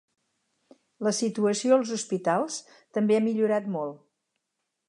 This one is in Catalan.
La situació als hospitals també ha millorat molt.